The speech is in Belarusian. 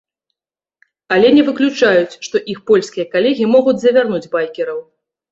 Але не выключаюць, што іх польскія калегі могуць завярнуць байкераў.